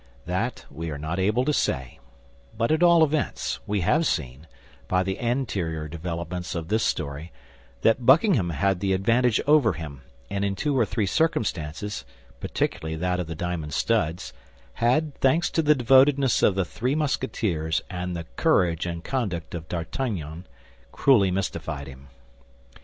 That we are not able to say; but at all events, we have seen, by the anterior developments of this story, that Buckingham had the advantage over him, and in two or three circumstances, particularly that of the diamond studs, had, thanks to the devotedness of the three Musketeers and the courage and conduct of D'Artagnan, cruelly mystified him.